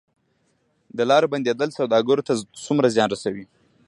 د لارو بندیدل سوداګرو ته څومره زیان رسوي؟